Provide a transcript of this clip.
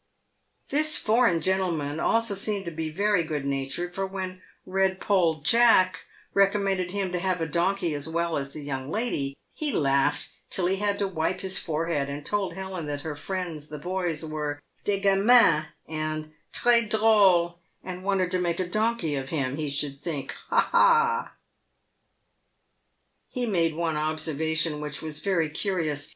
This foreign gentleman also seemed to be very good natured, for when Eedpoll Jack recommended him to have a donkey as well as the young lady, he laughed till he had to wipe his forehead, and told Helen that her friends the boys were " des gamins and tres droles, and wanted to make a donkey of him, he should think, ha ! ha IV ( He made one observation, which was very curious.